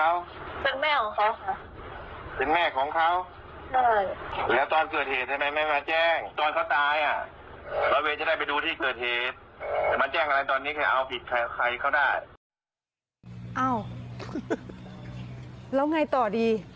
เอาผิดใครใครเขาได้เอ้าแล้วไงต่อดี